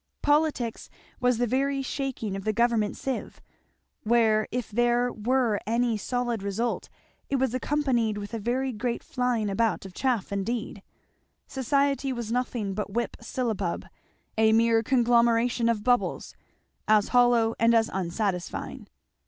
Politics was the very shaking of the government sieve, where if there were any solid result it was accompanied with a very great flying about of chaff indeed. Society was nothing but whip syllabub, a mere conglomeration of bubbles, as hollow and as unsatisfying.